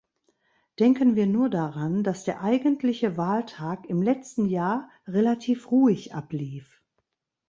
Denken wir nur daran, dass der eigentliche Wahltag im letzten Jahr relativ ruhig ablief.